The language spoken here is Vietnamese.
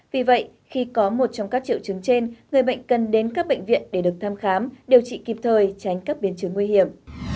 vì vậy khi có một trong các triệu chứng trên người bệnh cần đến các bệnh viện để được thăm khám điều trị kịp thời tránh các biến chứng nguy hiểm